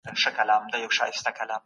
د نشه یي توکو پر وړاندي سخته مبارزه وه.